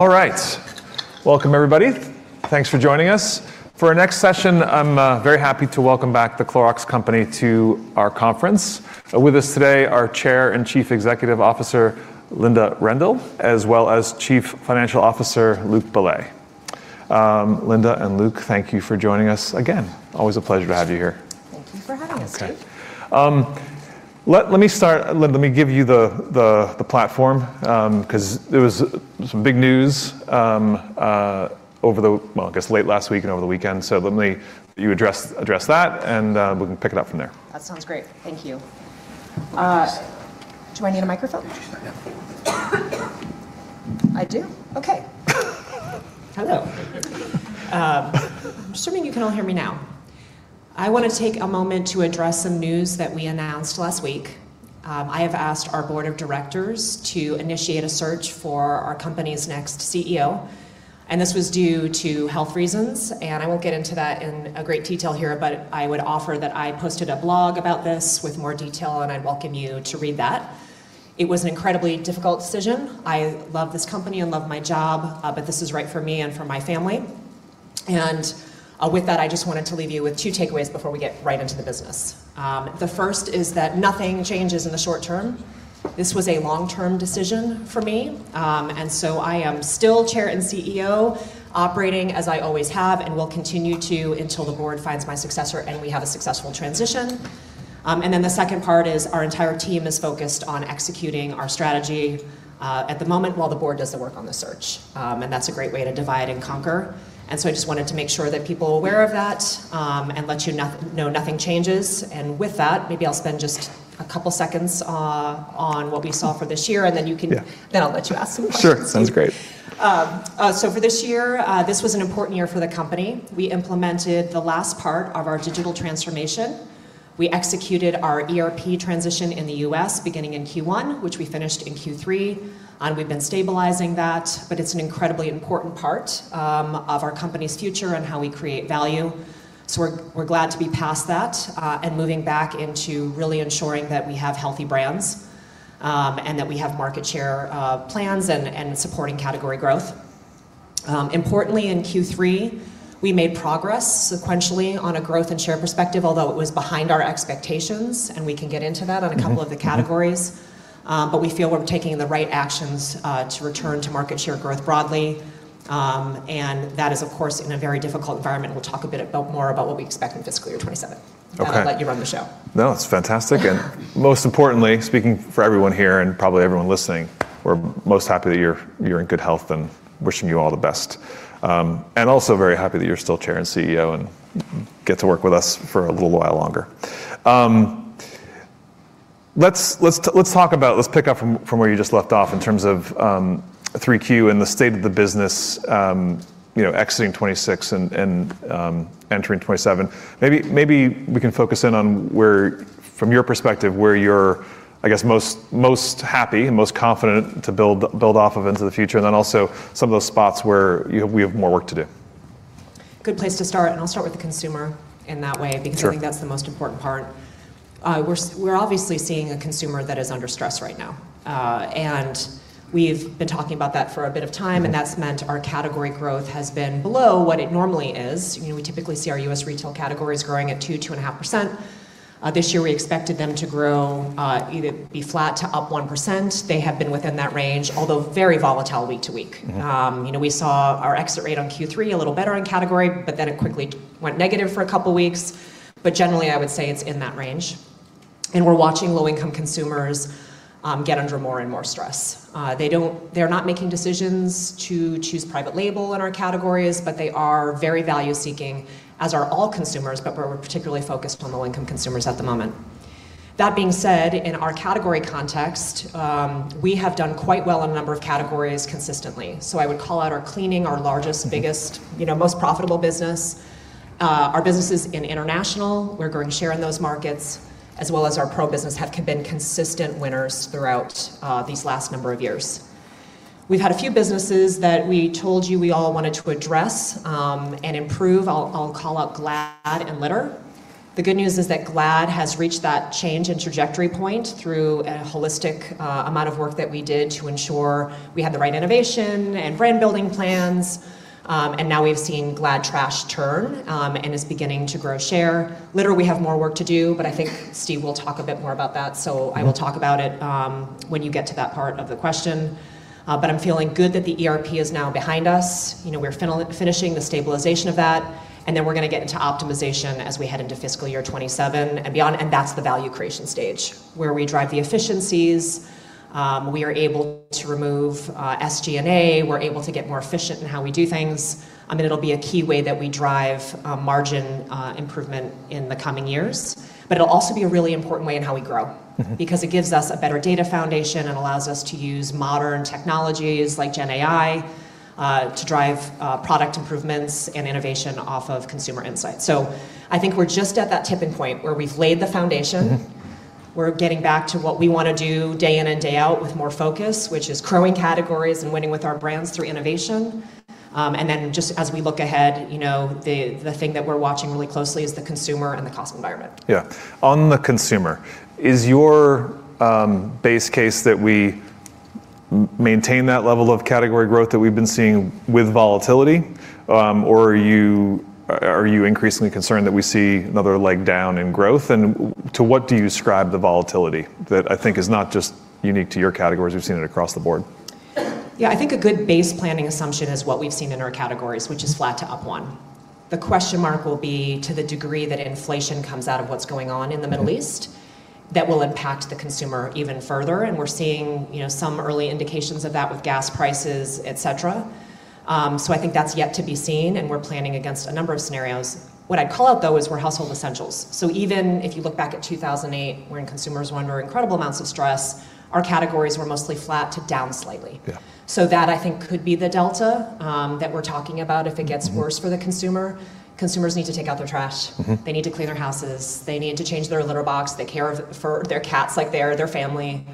All right. Welcome everybody. Thanks for joining us. For our next session, I'm very happy to welcome back The Clorox Company to our conference. With us today are Chair and Chief Executive Officer, Linda Rendle, as well as Chief Financial Officer, Luc Bellet. Linda and Luc, thank you for joining us again. Always a pleasure to have you here. Thank you for having us. Okay. Let me start. Let me give you the platform, because there was some big news over the, well, I guess late last week and over the weekend. Let me address that, and we can pick it up from there. That sounds great. Thank you. Do I need a microphone? I do? Okay. Hello. I'm assuming you can all hear me now. I want to take a moment to address some news that we announced last week. I have asked our Board of Directors to initiate a search for our company's next CEO, and this was due to health reasons, and I won't get into that in a great detail here, but I would offer that I posted a blog about this with more detail, and I'd welcome you to read that. It was an incredibly difficult decision. I love this company and love my job, but this is right for me and for my family. With that, I just wanted to leave you with two takeaways before we get right into the business. The first is that nothing changes in the short term. This was a long-term decision for me. I am still Chair and CEO, operating as I always have, and will continue to until the Board finds my successor and we have a successful transition. The second part is our entire team is focused on executing our strategy at the moment while the Board does the work on the search. That's a great way to divide and conquer. I just wanted to make sure that people are aware of that, and let you know nothing changes. With that, maybe I'll spend just a couple seconds on what we saw for this year. Yeah I'll let you ask some questions. Sure. Sounds great. For this year, this was an important year for the company. We implemented the last part of our digital transformation. We executed our ERP transition in the U.S. beginning in Q1, which we finished in Q3, and we've been stabilizing that. It's an incredibly important part of our company's future and how we create value. We're glad to be past that, and moving back into really ensuring that we have healthy brands, and that we have market share plans and supporting category growth. Importantly, in Q3, we made progress sequentially on a growth and share perspective, although it was behind our expectations, and we can get into that on a couple of the categories. We feel we're taking the right actions to return to market share growth broadly, and that is of course, in a very difficult environment, and we'll talk a bit about more about what we expect in fiscal year 2027. Okay. I'll let you run the show. No, it's fantastic. Most importantly, speaking for everyone here and probably everyone listening, we're most happy that you're in good health and wishing you all the best. Also very happy that you're still Chair and CEO and get to work with us for a little while longer. Let's pick up from where you just left off in terms of 3Q and the state of the business exiting 2026 and entering 2027. Maybe we can focus in on where, from your perspective, where you're, I guess, most happy and most confident to build off of into the future. Then also some of those spots where we have more work to do. Good place to start, and I'll start with the consumer in that way. Sure I think that's the most important part. We're obviously seeing a consumer that is under stress right now. We've been talking about that for a bit of time. That's meant our category growth has been below what it normally is. We typically see our U.S. retail categories growing at 2.5%. This year we expected them to grow, either be flat to up 1%. They have been within that range, although very volatile week-to-week. We saw our exit rate on Q3 a little better in category, it quickly went negative for a couple of weeks. Generally, I would say it's in that range. We're watching low-income consumers get under more and more stress. They're not making decisions to choose private label in our categories, they are very value-seeking, as are all consumers, we're particularly focused on low-income consumers at the moment. That being said, in our category context, we have done quite well in a number of categories consistently. I would call out our cleaning, our largest, biggest, most profitable business, our businesses in international. We're growing share in those markets, as well as our Pro business have been consistent winners throughout these last number of years. We've had a few businesses that we told you we all wanted to address and improve. I'll call out Glad and litter. The good news is that Glad has reached that change in trajectory point through a holistic amount of work that we did to ensure we had the right innovation and brand building plans. Now we've seen Glad trash turn, and is beginning to grow share. Litter, we have more work to do. I think Steve will talk a bit more about that. I will talk about it when you get to that part of the question. I'm feeling good that the ERP is now behind us. We're finishing the stabilization of that. Then we're going to get into optimization as we head into fiscal year 2027 and beyond. That's the value creation stage where we drive the efficiencies. We are able to remove SG&A, we're able to get more efficient in how we do things. It'll be a key way that we drive margin improvement in the coming years. But it will also be a really important way on how we grow. It gives us a better data foundation and allows us to use modern technologies like GenAI to drive product improvements and innovation off of consumer insights. I think we're just at that tipping point where we've laid the foundation. We're getting back to what we want to do day in and day out with more focus, which is growing categories and winning with our brands through innovation. Just as we look ahead, the thing that we're watching really closely is the consumer and the cost environment. Yeah. On the consumer, is your base case that we maintain that level of category growth that we've been seeing with volatility? Or are you increasingly concerned that we see another leg down in growth? To what do you ascribe the volatility that I think is not just unique to your categories, we've seen it across the board? Yeah. I think a good base planning assumption is what we've seen in our categories, which is flat to up 1%. The question mark will be to the degree that inflation comes out of what's going on in the Middle East, that will impact the consumer even further. We're seeing some early indications of that with gas prices, et cetera. I think that's yet to be seen, and we're planning against a number of scenarios. What I'd call out, though, is we're household essentials. Even if you look back at 2008, wherein consumers were under incredible amounts of stress, our categories were mostly flat to down slightly. Yeah. That, I think, could be the delta that we're talking about if it gets worse for the consumer. Consumers need to take out their trash. They need to clean their houses. They need to change their litter box. They care for their cats like they are their family.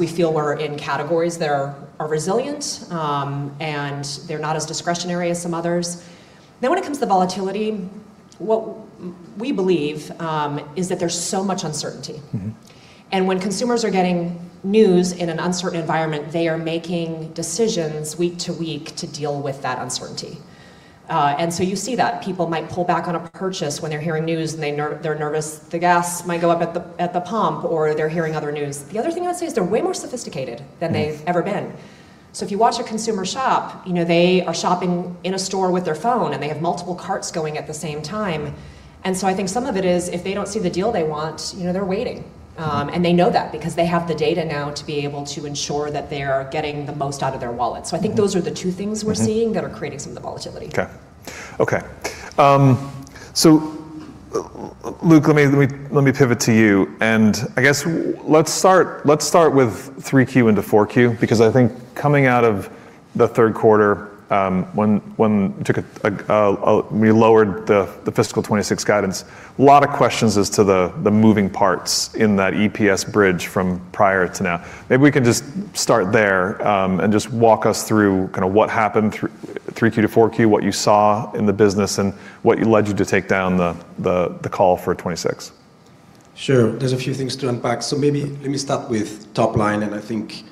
We feel we're in categories that are resilient, and they're not as discretionary as some others. When it comes to volatility, what we believe is that there's so much uncertainty. When consumers are getting news in an uncertain environment, they are making decisions week-to-week to deal with that uncertainty. You see that. People might pull back on a purchase when they're hearing news and they're nervous the gas might go up at the pump, or they're hearing other news. The other thing I would say is they're way more sophisticated than they've ever been. If you watch a consumer shop, they are shopping in a store with their phone, and they have multiple carts going at the same time. I think some of it is if they don't see the deal they want, they're waiting. They know that because they have the data now to be able to ensure that they are getting the most out of their wallet. I think those are the two things we're seeing that are creating some of the volatility. Okay. Luc, let me pivot to you. I guess let's start with 3Q into 4Q, because I think coming out of the third quarter, when we lowered the fiscal 2026 guidance, a lot of questions as to the moving parts in that EPS bridge from prior to now. Maybe we can just start there, just walk us through what happened 3Q to 4Q, what you saw in the business, and what led you to take down the call for 2026. Sure. There's a few things to unpack. Maybe let me start with top line, and I think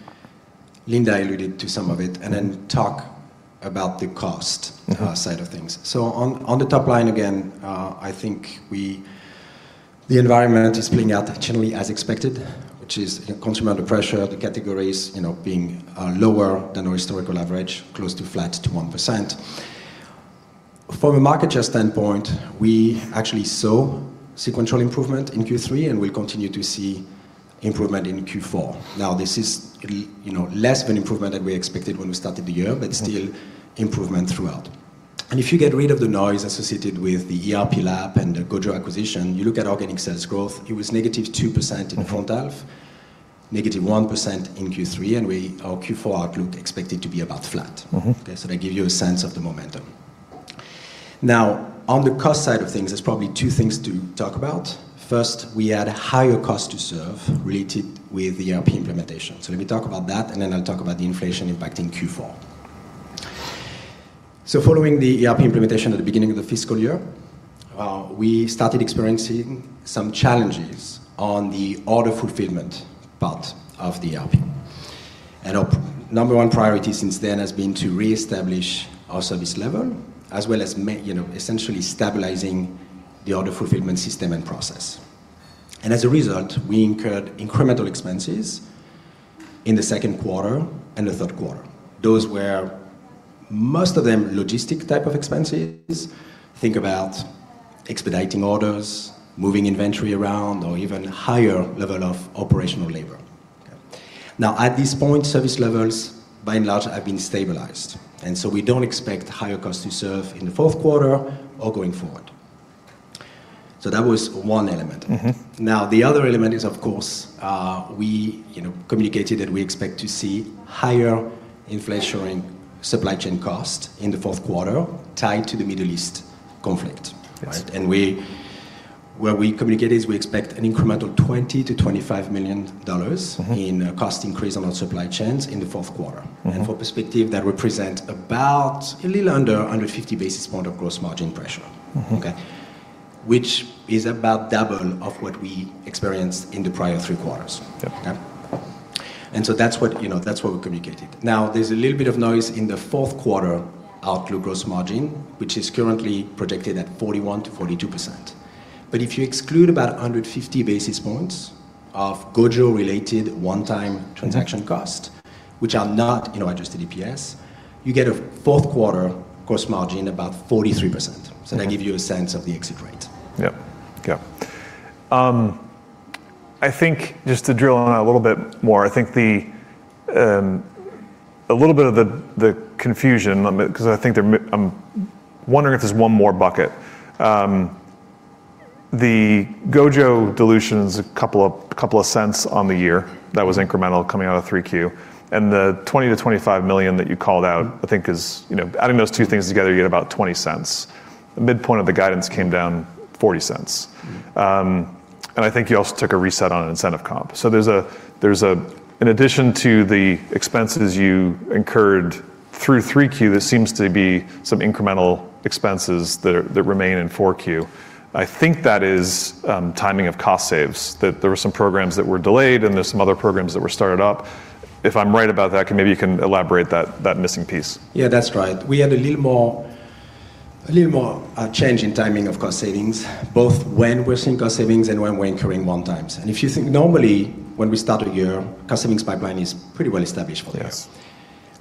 Linda alluded to some of it, and then talk about the cost-side of things. On the top line again, I think the environment is playing out generally as expected, which is consumer under pressure, the categories being lower than our historical average, close to flat to 1%. From a market share standpoint, we actually saw sequential improvement in Q3, and we'll continue to see improvement in Q4. This is less of an improvement than we expected when we started the year. Still improvement throughout. If you get rid of the noise associated with the ERP lap and the GOJO acquisition, you look at organic sales growth, it was -2% in the front half, -1% in Q3, and our Q4 outlook expected to be about flat. Okay. That gives you a sense of the momentum. On the cost side of things, there's probably two things to talk about. First, we had higher cost to serve related with the ERP implementation. Let me talk about that, and then I'll talk about the inflation impact in Q4. Following the ERP implementation at the beginning of the fiscal year, we started experiencing some challenges on the order fulfillment part of the ERP. Our number one priority since then has been to reestablish our service level, as well as essentially stabilizing the order fulfillment system and process. As a result, we incurred incremental expenses in the second quarter and the third quarter. Those were, most of them, logistic type of expenses. Think about expediting orders, moving inventory around, or even higher level of operational labor. Okay. Now at this point, service levels by and large have been stabilized, and so we don't expect higher cost to serve in the fourth quarter or going forward. That was one element. The other element is, of course, we communicated that we expect to see higher inflation supply chain cost in the fourth quarter tied to the Middle East conflict, Yes. where we communicate is we expect an incremental $20 million-$25 million in cost increase on our supply chains in the fourth quarter. For perspective, that represents about a little under 150 basis point of gross margin pressure. Okay Which is about double of what we experienced in the prior three quarters. Yeah. Okay. That's what we communicated. Now, there's a little bit of noise in the fourth quarter outlook gross margin, which is currently projected at 41%-42%. If you exclude about 150 basis points of GOJO-related one-time transaction cost, which are not adjusted EPS, you get a fourth quarter gross margin about 43%. Okay. That gives you a sense of the exit rate. Yep. Okay. I think just to drill on that a little bit more, I think a little bit of the confusion, because I'm wondering if there's one more bucket. The GOJO dilution's a couple of cents on the year. That was incremental coming out of 3Q. The $20 million-$25 million that you called out, I think adding those two things together, you get about $0.20. The midpoint of the guidance came down $0.40. I think you also took a reset on incentive comp. There's, in addition to the expenses you incurred through 3Q, there seems to be some incremental expenses that remain in 4Q. I think that is timing of cost saves. There were some programs that were delayed, and there's some other programs that were started up. If I'm right about that, maybe you can elaborate that missing piece. Yeah, that's right. We had a little more change in timing of cost savings, both when we're seeing cost savings and when we're incurring one-times. If you think normally when we start a year, cost savings pipeline is pretty well established for us. Yeah.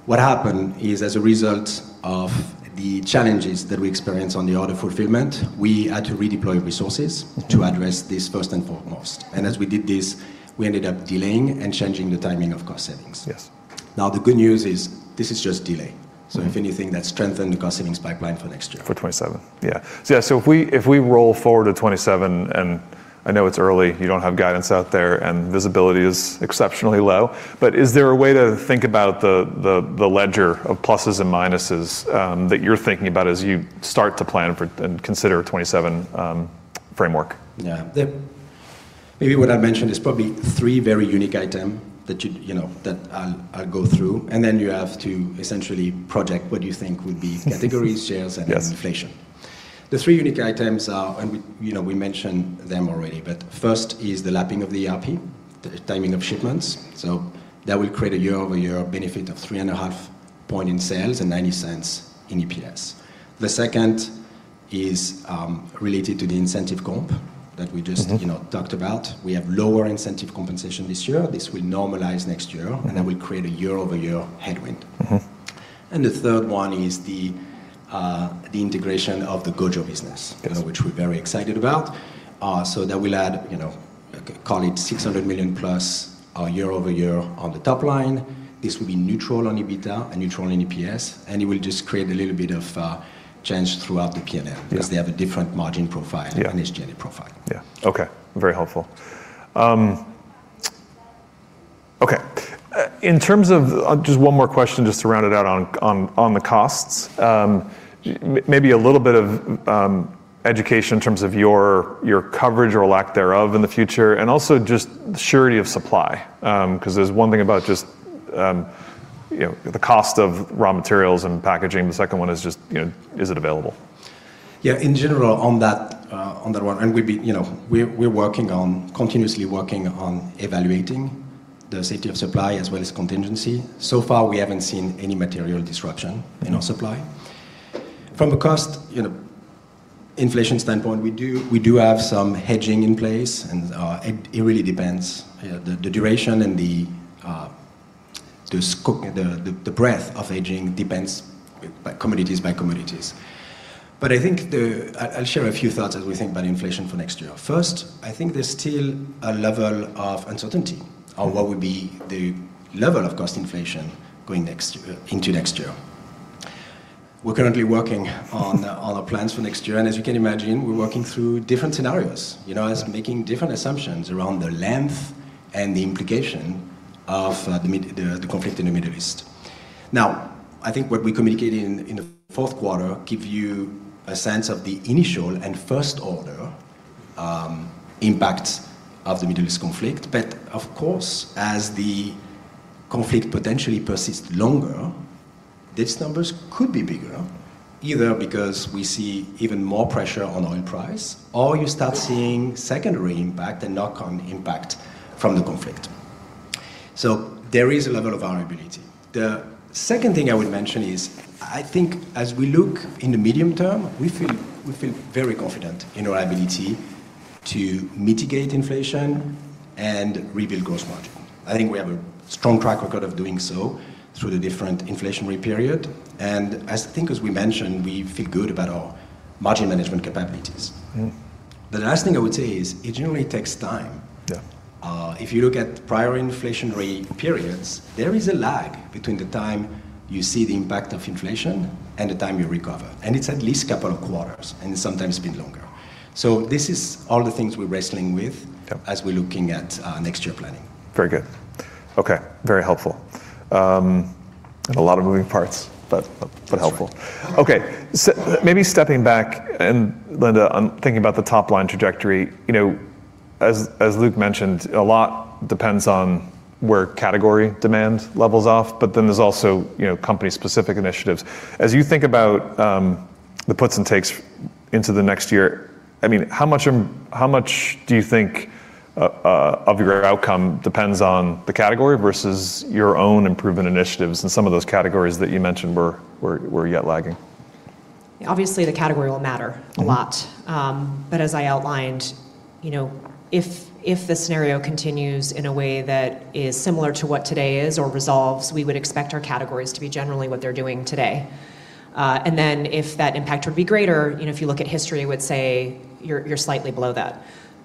What happened is as a result of the challenges that we experienced on the order fulfillment, we had to redeploy resources to address this first and foremost. As we did this, we ended up delaying and changing the timing of cost savings. Yes. The good news is this is just delay. Yeah. If anything, that strengthened the cost savings pipeline for next year. For 2027. Yeah. If we roll forward to 2027, and I know it's early, you don't have guidance out there, and visibility is exceptionally low, but is there a way to think about the ledger of pluses and minuses that you're thinking about as you start to plan for and consider 2027 framework? Yeah. Maybe what I mentioned is probably three very unique item that I'll go through, and then you have to essentially project what you think would be categories, shares, and inflation. Yes. The three unique items are, and we mentioned them already, but first is the lapping of the ERP, the timing of shipments. That will create a year-over-year benefit of 3.5 points in sales and $0.90 in EPS. The second is related to the incentive comp that we just talked about. We have lower incentive compensation this year. This will normalize next year. Okay. That will create a year-over-year headwind. The third one is the integration of the GOJO business Yes which we are very excited about. So that will add, call it $600 million plus year-over-year on the top line. This will be neutral on EBITDA and neutral on EPS, and it will just create a little bit of change throughout the P&L Yes because they have a different margin profile Yeah and SG&A profile. Yeah. Okay. Very helpful. Okay. Just one more question just to round it out on the costs. Maybe a little bit of education in terms of your coverage or lack thereof in the future, and also just surety of supply. There's one thing about just the cost of raw materials and packaging. The second one is just, is it available? Yeah, in general on that one. We're continuously working on evaluating the safety of supply as well as contingency. So far, we haven't seen any material disruption in our supply. From a cost inflation standpoint, we do have some hedging in place, and it really depends. The duration and the breadth of hedging depends by commodities. I think I'll share a few thoughts as we think about inflation for next year. First, I think there's still a level of uncertainty on what would be the level of cost inflation going into next year. We're currently working on our plans for next year, and as you can imagine, we're working through different scenarios. Yeah. As making different assumptions around the length and the implication of the conflict in the Middle East. I think what we communicated in the fourth quarter give you a sense of the initial and first order impacts of the Middle East conflict. Of course, as the conflict potentially persists longer, these numbers could be bigger, either because we see even more pressure on oil price, or you start seeing secondary impact and knock-on impact from the conflict. There is a level of variability. The second thing I would mention is I think as we look in the medium term, we feel very confident in our ability to mitigate inflation and rebuild gross margin. I think we have a strong track record of doing so through the different inflationary period. I think as we mentioned, we feel good about our margin management capabilities. The last thing I would say is it generally takes time. Yeah. If you look at prior inflationary periods, there is a lag between the time you see the impact of inflation and the time you recover. It's at least a couple of quarters, and it's sometimes been longer. This is all the things we're wrestling with Yeah as we're looking at next year planning. Very good. Okay. Very helpful. A lot of moving parts, but helpful. That's right. Maybe stepping back, and Linda, I'm thinking about the top-line trajectory. As Luc mentioned, a lot depends on where category demand levels off, but then there's also company specific initiatives. As you think about the puts and takes into the next year, how much do you think of your outcome depends on the category versus your own improvement initiatives, and some of those categories that you mentioned were yet lagging? Obviously, the category will matter a lot. As I outlined, if the scenario continues in a way that is similar to what today is or resolves, we would expect our categories to be generally what they're doing today. If that impact would be greater, if you look at history, I would say you're slightly below that.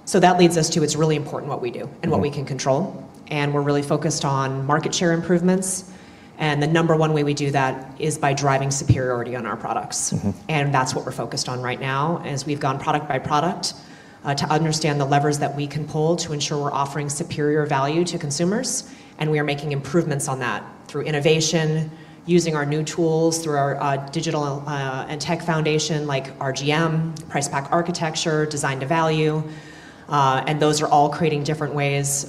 That leads us to it's really important what we do and what we can control, and we're really focused on market share improvements. The number one way we do that is by driving superiority on our products. That's what we're focused on right now, is we've gone product-by-product to understand the levers that we can pull to ensure we're offering superior value to consumers, and we are making improvements on that through innovation, using our new tools, through our digital and tech foundation like RGM, price pack architecture, design-to-value. Those are all creating different ways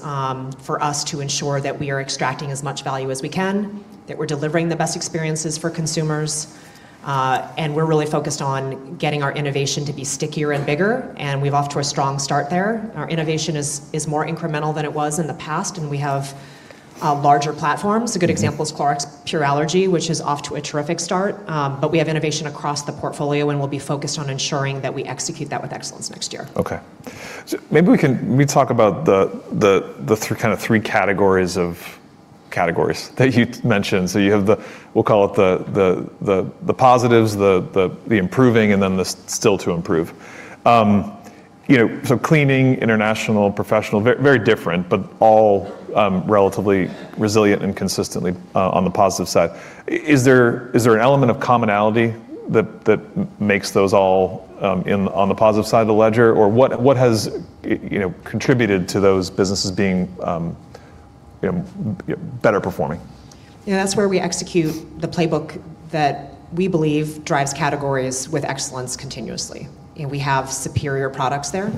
for us to ensure that we are extracting as much value as we can, that we're delivering the best experiences for consumers. We're really focused on getting our innovation to be stickier and bigger, and we're off to a strong start there. Our innovation is more incremental than it was in the past, and we have larger platforms. A good example is Clorox PURE Allergy, which is off to a terrific start. We have innovation across the portfolio, and we'll be focused on ensuring that we execute that with excellence next year. Okay. Maybe we can talk about the three categories that you mentioned. You have, we'll call it the positives, the improving, and then the still to improve. Cleaning, international, professional, very different, but all relatively resilient and consistently on the positive side. Is there an element of commonality that makes those all on the positive side of the ledger? What has contributed to those businesses being better performing? Yeah, that's where we execute the playbook that we believe drives categories with excellence continuously. We have superior products there.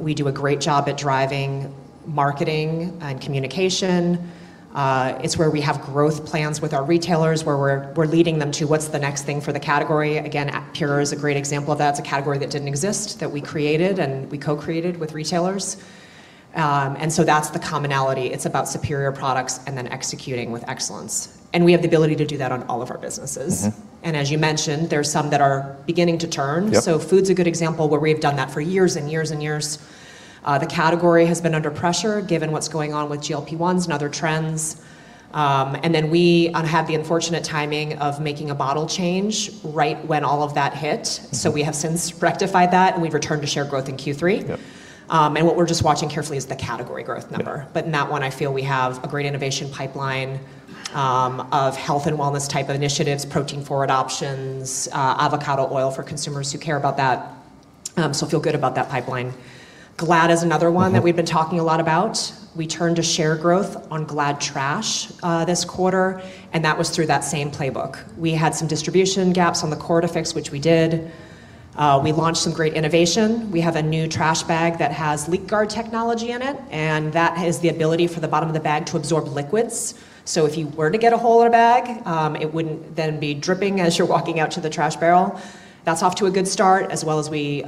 We do a great job at driving marketing and communication. It's where we have growth plans with our retailers, where we're leading them to what's the next thing for the category. Again, PURE is a great example of that. It's a category that didn't exist, that we created, and we co-created with retailers. That's the commonality. It's about superior products and then executing with excellence. We have the ability to do that on all of our businesses. As you mentioned, there are some that are beginning to turn. Yep. Food's a good example, where we've done that for years and years and years. The category has been under pressure given what's going on with GLP-1s and other trends. Then we have the unfortunate timing of making a bottle change right when all of that hit. We have since rectified that, and we've returned to share growth in Q3. Yep. What we're just watching carefully is the category growth number. Yep. In that one, I feel we have a great innovation pipeline of health and wellness type initiatives, protein forward options, avocado oil for consumers who care about that. Feel good about that pipeline. Glad is another one that we've been talking a lot about. We turned to share growth on Glad trash this quarter. That was through that same playbook. We had some distribution gaps on the core to fix, which we did. We launched some great innovation. We have a new trash bag that has LeakGuard technology in it. That has the ability for the bottom of the bag to absorb liquids. If you were to get a hole in a bag, it wouldn't then be dripping as you're walking out to the trash barrel. That's off to a good start, as well as we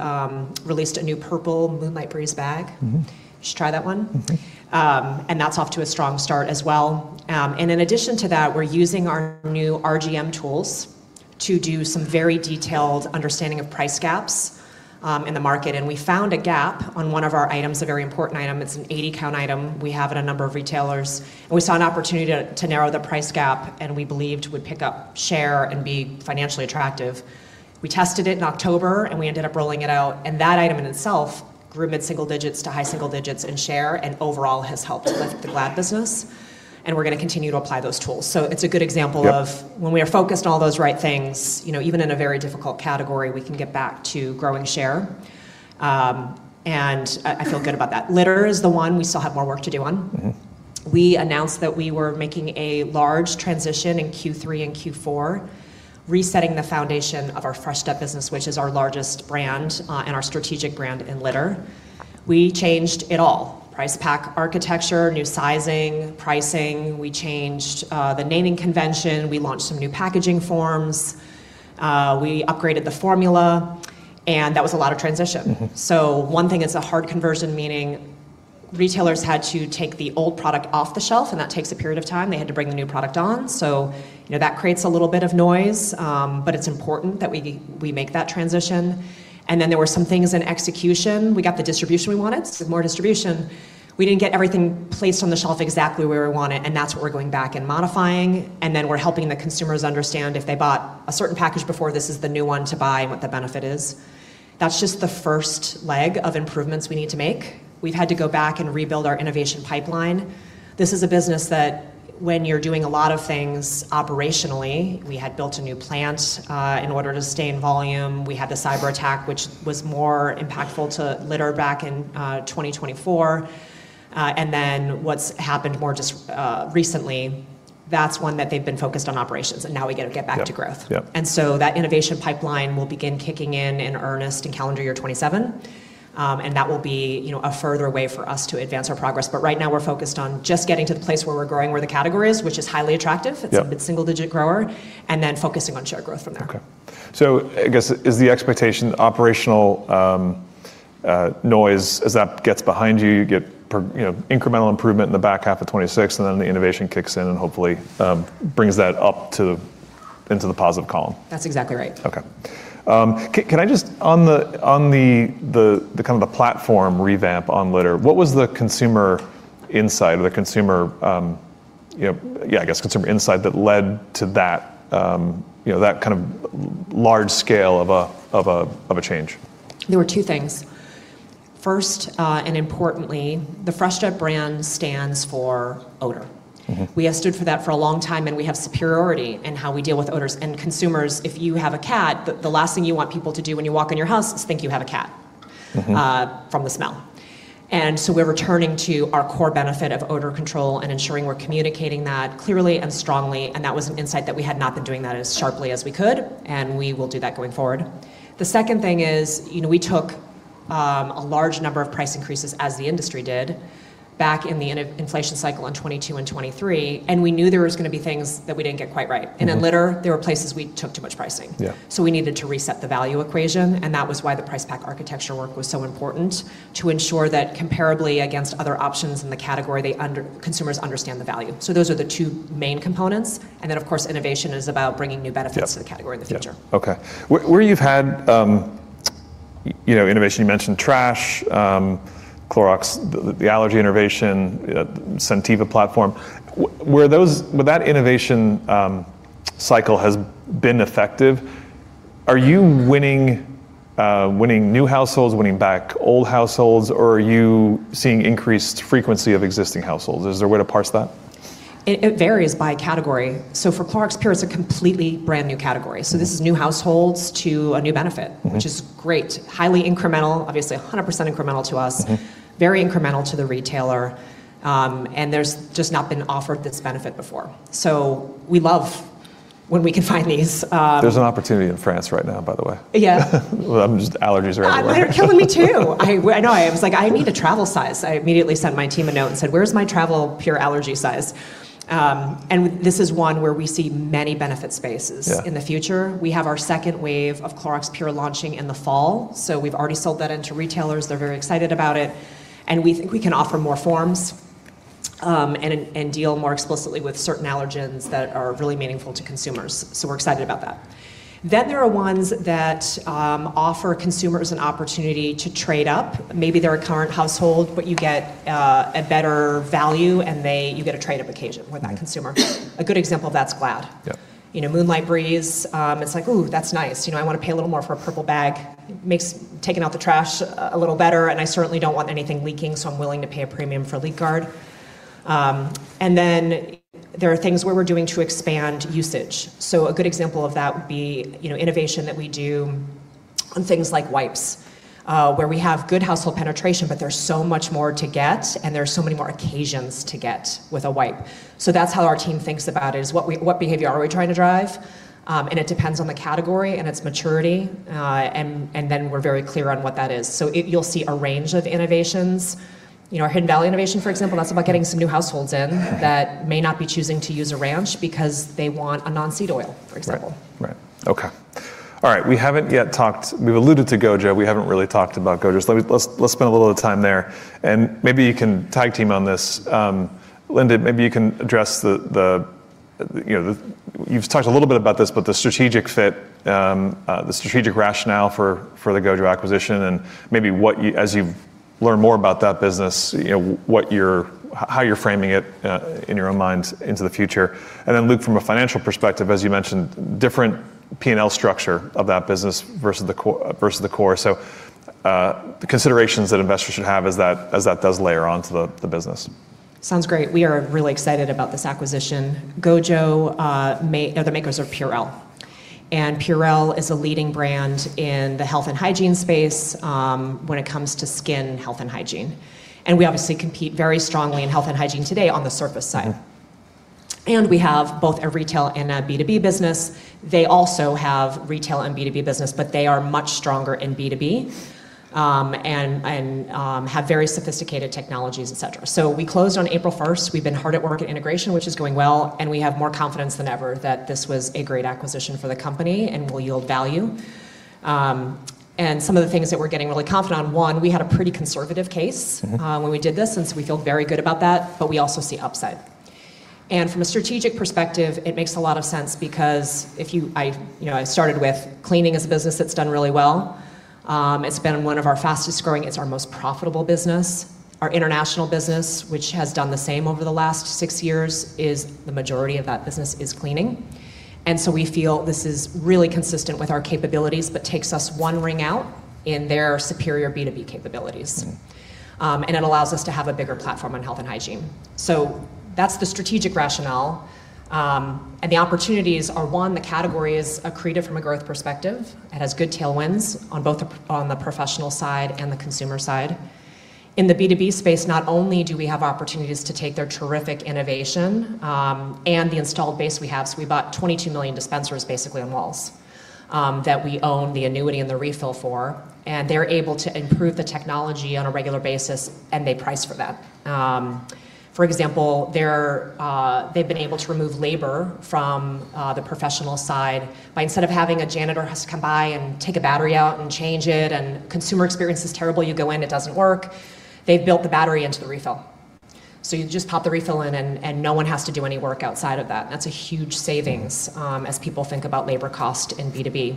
released a new purple Moonlight Breeze bag. You should try that one. That's off to a strong start as well. In addition to that, we're using our new RGM tools to do some very detailed understanding of price gaps in the market. We found a gap on one of our items, a very important item. It's an 80-count item we have at a number of retailers. We saw an opportunity to narrow the price gap, and we believed would pick up share and be financially attractive. We tested it in October, and we ended up rolling it out. That item in itself grew mid-single digits to high single digits in share, and overall has helped with the Glad business. We're going to continue to apply those tools. It's a good example Yep when we are focused on all those right things, even in a very difficult category, we can get back to growing share. I feel good about that. Litter is the one we still have more work to do on. We announced that we were making a large transition in Q3 and Q4, resetting the foundation of our Fresh Step business, which is our largest brand, and our strategic brand in Litter. We changed it all. Price pack architecture, new sizing, pricing. We changed the naming convention. We launched some new packaging forms. We upgraded the formula, and that was a lot of transition. One thing, it's a hard conversion, meaning retailers had to take the old product off the shelf, and that takes a period of time. They had to bring the new product on. That creates a little bit of noise, but it's important that we make that transition. There were some things in execution. We got the distribution we wanted, so more distribution. We didn't get everything placed on the shelf exactly where we want it, and that's what we're going back and modifying. We're helping the consumers understand if they bought a certain package before, this is the new one to buy and what the benefit is. That's just the first leg of improvements we need to make. We've had to go back and rebuild our innovation pipeline. This is a business that when you're doing a lot of things operationally, we had built a new plant in order to stay in volume. We had the cyberattack, which was more impactful to litter back in 2024. What's happened more just recently, that's one that they've been focused on operations, and now we get to get back to growth. Yep. Yep. That innovation pipeline will begin kicking in in earnest in calendar year 2027. That will be a further way for us to advance our progress. Right now, we're focused on just getting to the place where we're growing, where the category is, which is highly attractive. Yep. It's a mid-single digit grower. Then focusing on share growth from there. Okay. I guess is the expectation the operational noise, as that gets behind you get incremental improvement in the back half of 2026, and then the innovation kicks in and hopefully brings that up into the positive column? That's exactly right. Okay. On the kind of the platform revamp on litter, what was the consumer insight that led to that kind of large scale of a change? There were two things. First, and importantly, the Fresh Step brand stands for odor. We have stood for that for a long time, we have superiority in how we deal with odors. Consumers, if you have a cat, the last thing you want people to do when you walk in your house is think you have a cat from the smell. We're returning to our core benefit of odor control and ensuring we're communicating that clearly and strongly, and that was an insight that we had not been doing that as sharply as we could. We will do that going forward. The second thing is, we took a large number of price increases, as the industry did, back in the inflation cycle in 2022 and 2023, and we knew there was going to be things that we didn't get quite right. In litter, there were places we took too much pricing. Yeah. We needed to reset the value equation, and that was why the price pack architecture work was so important to ensure that comparably against other options in the category, consumers understand the value. Those are the two main components, and then of course, innovation is about bringing new benefits Yeah to the category in the future. Yeah. Okay. Where you've had innovation, you mentioned trash, Clorox, the allergy innovation, Scentiva platform. Where that innovation cycle has been effective, are you winning new households, winning back old households, or are you seeing increased frequency of existing households? Is there a way to parse that? It varies by category. For Clorox PURE, it's a completely brand-new category. This is new households to a new benefit. Which is great. Highly incremental, obviously 100% incremental to us. Very incremental to the retailer. There's just not been an offer this benefit before. We love when we can find these. There's an opportunity in France right now, by the way. Yeah. Allergies are everywhere. They are killing me, too. I know. I was like, I need a travel size. I immediately sent my team a note and said, where's my travel PURE Allergy size? This is one where we see many benefit spaces. Yeah in the future. We have our second wave of Clorox PURE launching in the fall. We've already sold that into retailers. They're very excited about it. We think we can offer more forms and deal more explicitly with certain allergens that are really meaningful to consumers. We're excited about that. There are ones that offer consumers an opportunity to trade up. Maybe they're a current household, but you get a better value, and you get a trade-up occasion with that consumer. Right. A good example of that's Glad. Yeah. Moonlight Breeze, it's like, ooh, that's nice. I want to pay a little more for a purple bag. Makes taking out the trash a little better, and I certainly don't want anything leaking, so I'm willing to pay a premium for LeakGuard. There are things where we're doing to expand usage. A good example of that would be innovation that we do on things like wipes, where we have good household penetration, but there's so much more to get, and there are so many more occasions to get with a wipe. That's how our team thinks about it, is what behavior are we trying to drive? It depends on the category and its maturity. We're very clear on what that is. You'll see a range of innovations. Our Hidden Valley innovation, for example, that's about getting some new households in Right that may not be choosing to use a ranch because they want a non-seed oil, for example. Right. Okay. All right. We've alluded to GOJO. We haven't really talked about GOJO. Let's spend a little time there. Maybe you can tag-team on this. Linda, you've talked a little bit about this. The strategic fit, the strategic rationale for the GOJO acquisition, maybe as you learn more about that business, how you're framing it in your own minds into the future. Luc, from a financial perspective, as you mentioned, different P&L structure of that business versus the core. The considerations that investors should have as that does layer onto the business. Sounds great. We are really excited about this acquisition. GOJO are the makers of Purell. Purell is a leading brand in the health and hygiene space when it comes to skin health and hygiene. We obviously compete very strongly in health and hygiene today on the surface side. We have both a retail and a B2B business. They also have retail and B2B business, but they are much stronger in B2B, and have very sophisticated technologies, et cetera. We closed on April 1st. We've been hard at work at integration, which is going well, and we have more confidence than ever that this was a great acquisition for the company and will yield value. Some of the things that we're getting really confident on, one, we had a pretty conservative case- when we did this, and so we feel very good about that, but we also see upside. From a strategic perspective, it makes a lot of sense because I started with cleaning as a business that's done really well. It's been one of our fastest-growing. It's our most profitable business. Our international business, which has done the same over the last six years, is the majority of that business is cleaning. We feel this is really consistent with our capabilities, but takes us one ring out in their superior B2B capabilities. It allows us to have a bigger platform on health and hygiene. That's the strategic rationale. The opportunities are, one, the category is accretive from a growth perspective. It has good tailwinds on the professional side and the consumer side. In the B2B space, not only do we have opportunities to take their terrific innovation, and the installed base we have, so we bought 22 million dispensers, basically, on walls that we own the annuity and the refill for. They're able to improve the technology on a regular basis, and they price for that. For example, they've been able to remove labor from the professional side by instead of having a janitor has to come by and take a battery out and change it, and consumer experience is terrible, you go in, it doesn't work. They've built the battery into the refill. You just pop the refill in, and no one has to do any work outside of that. That's a huge savings as people think about labor cost in B2B.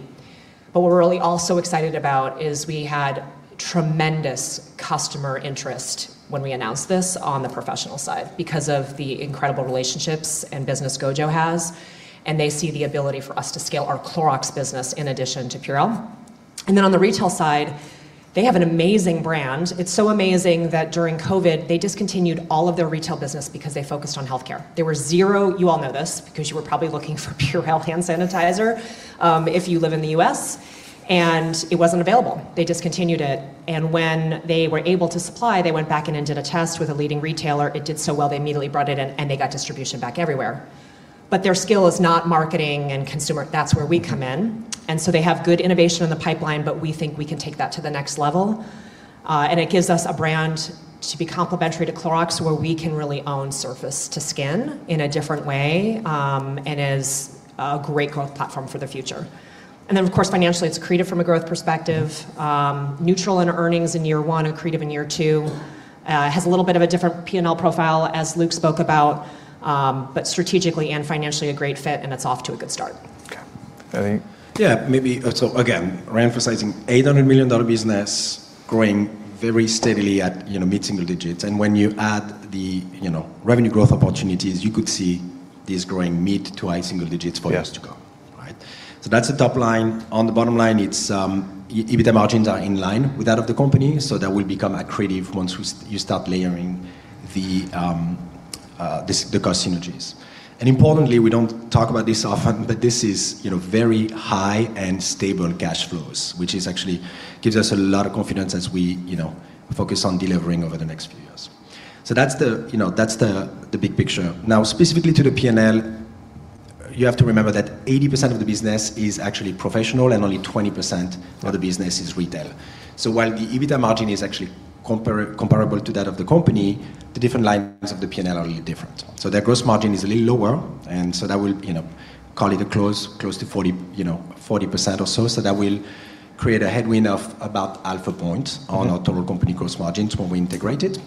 What we're really also excited about is we had tremendous customer interest when we announced this on the professional side because of the incredible relationships and business GOJO has, and they see the ability for us to scale our Clorox business in addition to Purell. Then on the retail side, they have an amazing brand. It's so amazing that during COVID, they discontinued all of their retail business because they focused on healthcare. You all know this because you were probably looking for Purell hand sanitizer, if you live in the U.S., and it wasn't available. They discontinued it, and when they were able to supply, they went back in and did a test with a leading retailer. It did so well, they immediately brought it in, and they got distribution back everywhere. Their skill is not marketing and consumer. That's where we come in. They have good innovation in the pipeline, but we think we can take that to the next level. It gives us a brand to be complementary to Clorox, where we can really own surface-to-skin in a different way, and is a great growth platform for the future. Of course, financially, it's accretive from a growth perspective, neutral in earnings in year one and accretive in year two. Has a little bit of a different P&L profile, as Luc spoke about, but strategically and financially a great fit, and it's off to a good start. Okay. Yeah. Again, re-emphasizing $800 million business growing very steadily at mid-single digits. When you add the revenue growth opportunities, you could see this growing mid- to high- single digits Yeah for years to go. Right. That's the top line. On the bottom line, EBITDA margins are in line with that of the company, so that will become accretive once you start layering the cost synergies. Importantly, we don't talk about this often, but this is very high and stable cash flows, which actually gives us a lot of confidence as we focus on delivering over the next few years. That's the big picture. Now, specifically to the P&L, you have to remember that 80% of the business is actually professional and only 20% of the business is retail. While the EBITDA margin is actually comparable to that of the company, the different lines of the P&L are a little different. Their gross margin is a little lower, and so that will call it a close to 40% or so. That will create a headwind of about a half point on our total company gross margins when we integrate it.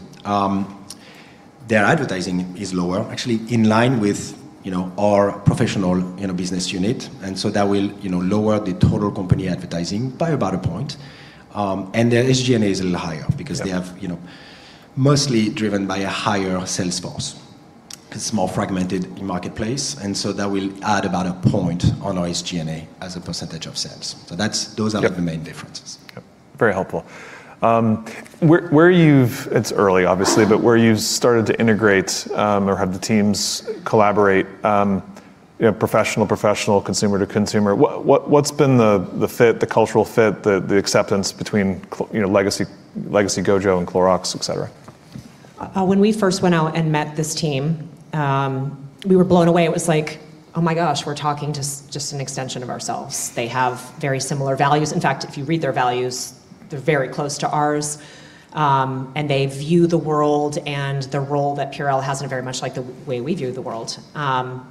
Their advertising is lower, actually in line with our professional business unit. That will lower the total company advertising by about a point. Their SG&A is a little higher because they have mostly driven by a higher sales force. It's a more fragmented marketplace, and so that will add about a point on our SG&A as a percentage of sales. Those are- Yep the main differences. Yep. Very helpful. It's early obviously, but where you've started to integrate or have the teams collaborate, professional to professional, consumer to consumer, what's been the fit, the cultural fit, the acceptance between legacy GOJO and Clorox, et cetera? When we first went out and met this team, we were blown away. It was like, oh my gosh, we're talking to just an extension of ourselves. They have very similar values. In fact, if you read their values, they're very close to ours, and they view the world and the role that Purell has in it very much like the way we view the world.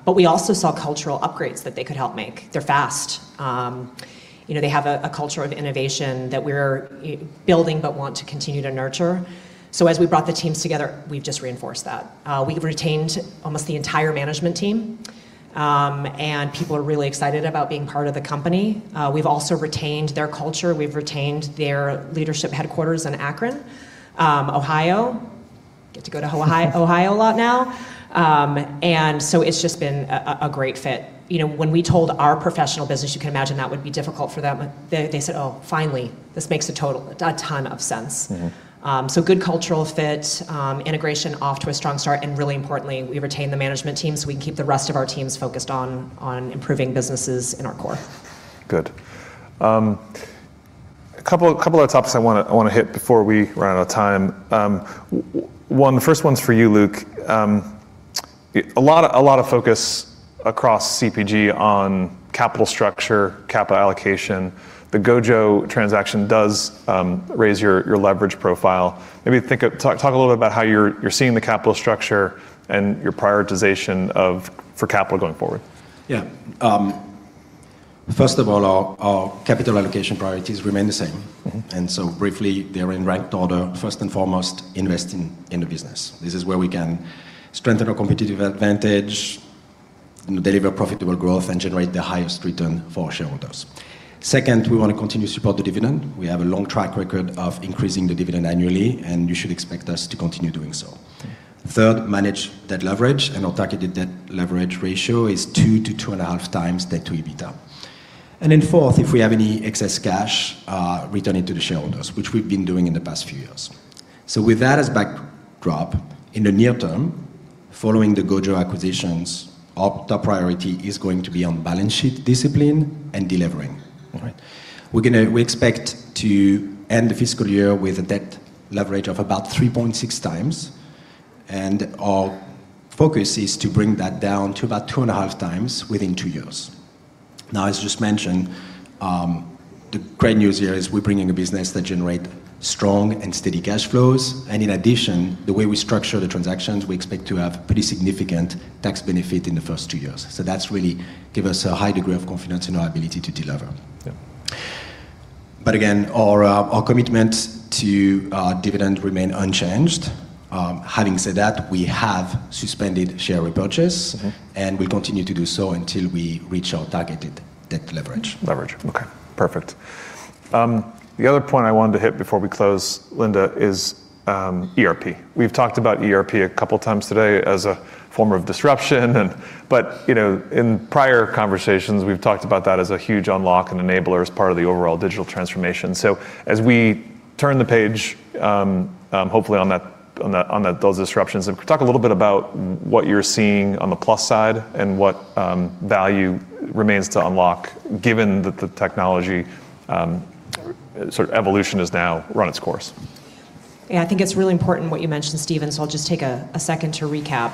We also saw cultural upgrades that they could help make. They're fast. They have a culture of innovation that we're building but want to continue to nurture. As we brought the teams together, we've just reinforced that. We've retained almost the entire management team, and people are really excited about being part of the company. We've also retained their culture. We've retained their leadership headquarters in Akron, Ohio. Get to go to Ohio a lot now. It's just been a great fit. When we told our professional business, you can imagine that would be difficult for them. They said, oh, finally. This makes a ton of sense. Good cultural fit, integration off to a strong start, and really importantly, we retain the management team so we can keep the rest of our teams focused on improving businesses in our core. Good. A couple of topics I want to hit before we run out of time. The first one's for you, Luc. A lot of focus across CPG on capital structure, capital allocation. The GOJO transaction does raise your leverage profile. Maybe talk a little bit about how you're seeing the capital structure and your prioritization for capital going forward. Yeah. First of all, our capital allocation priorities remain the same. Briefly, they're in right order. First and foremost, investing in the business. This is where we can strengthen our competitive advantage and deliver profitable growth and generate the highest return for our shareholders. Second, we want to continue to support the dividend. We have a long track record of increasing the dividend annually, and you should expect us to continue doing so. Okay. Third, manage debt leverage, and our targeted debt leverage ratio is 2x-2.5x debt-to-EBITDA. Fourth, if we have any excess cash, return it to the shareholders, which we've been doing in the past few years. With that as backdrop, in the near term, following the GOJO acquisitions, our top priority is going to be on balance sheet discipline and delivering. All right. We expect to end the fiscal year with a debt leverage of about 3.6x. Our focus is to bring that down to about 2.5x within two years. Now, as just mentioned, the great news here is we're bringing a business that generate strong and steady cash flows. In addition, the way we structure the transactions, we expect to have pretty significant tax benefit in the first two years. That's really give us a high degree of confidence in our ability to deliver. Yep. Again, our commitment to our dividend remain unchanged. Having said that, we have suspended share repurchase. Okay We continue to do so until we reach our targeted debt leverage. Leverage. Okay. Perfect. The other point I wanted to hit before we close, Linda, is ERP. We've talked about ERP a couple times today as a form of disruption. In prior conversations, we've talked about that as a huge unlock and enabler as part of the overall digital transformation. As we turn the page, hopefully on those disruptions, talk a little bit about what you're seeing on the plus side and what value remains to unlock given that the technology sort of evolution has now run its course. Yeah, I think it's really important what you mentioned, Stephen, so I'll just take a second to recap.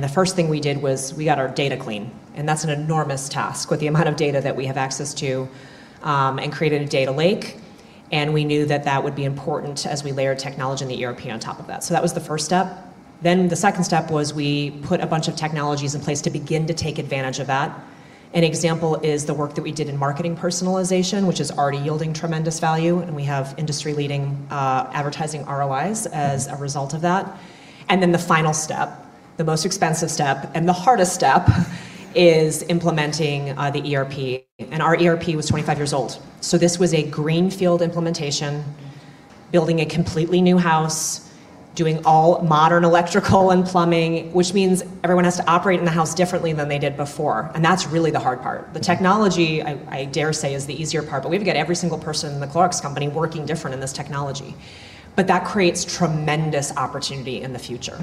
The first thing we did was we got our data clean, and that's an enormous task with the amount of data that we have access to, and created a data lake. We knew that that would be important as we layered technology and the ERP on top of that. That was the first step. The second step was we put a bunch of technologies in place to begin to take advantage of that. An example is the work that we did in marketing personalization, which is already yielding tremendous value, and we have industry-leading advertising ROIs as a result of that. The final step, the most expensive step, and the hardest step is implementing the ERP. Our ERP was 25 years old, so this was a greenfield implementation, building a completely new house, doing all modern electrical and plumbing, which means everyone has to operate in the house differently than they did before, and that's really the hard part. The technology, I dare say, is the easier part, but we've got every single person in The Clorox Company working different in this technology. That creates tremendous opportunity in the future.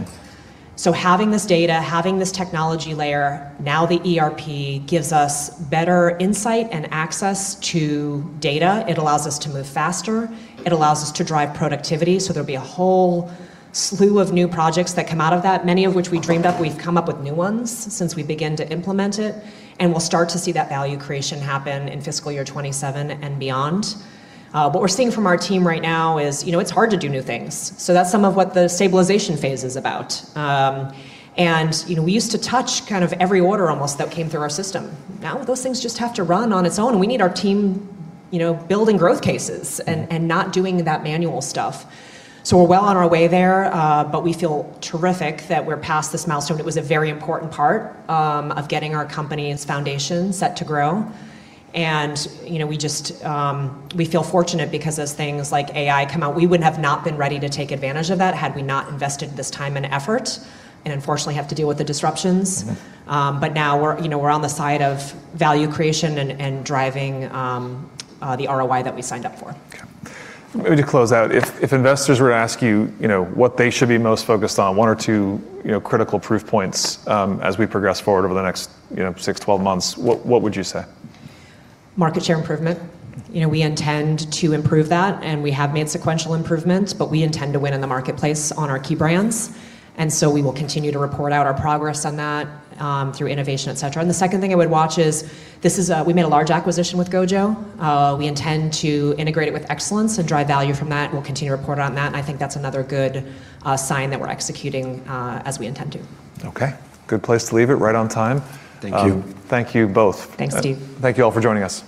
Having this data, having this technology layer, now the ERP gives us better insight and access to data. It allows us to move faster. It allows us to drive productivity, there'll be a whole slew of new projects that come out of that, many of which we dreamed up. We've come up with new ones since we began to implement it. We'll start to see that value creation happen in fiscal year 2027 and beyond. What we're seeing from our team right now is it's hard to do new things. That's some of what the stabilization phase is about. We used to touch kind of every order almost that came through our system. Now those things just have to run on its own. We need our team building growth cases and not doing that manual stuff. We're well on our way there, but we feel terrific that we're past this milestone. It was a very important part of getting our company's foundation set to grow. We feel fortunate because as things like AI come out, we would have not been ready to take advantage of that had we not invested this time and effort, and unfortunately, have to deal with the disruptions. Now we're on the side of value creation and driving the ROI that we signed up for. Okay. Maybe to close out, if investors were to ask you what they should be most focused on, one or two critical proof points as we progress forward over the next 6 to 12 months, what would you say? Market share improvement. We intend to improve that, and we have made sequential improvements, but we intend to win in the marketplace on our key brands. We will continue to report out our progress on that through innovation, et cetera. The second thing I would watch is we made a large acquisition with GOJO. We intend to integrate it with excellence and drive value from that, and we'll continue to report on that, and I think that's another good sign that we're executing as we intend to. Okay. Good place to leave it. Right on time. Thank you. Thank you both. Thanks, Steve. Thank you all for joining us.